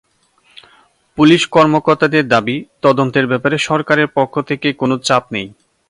Police কর্মকর্তাদের দাবি, তদন্তের ব্যাপারে সরকারের পক্ষ থেকে কোনো চাপ নেই।